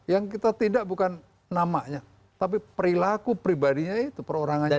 yang kita tindak bukan namanya tapi perilaku pribadinya itu perorangannya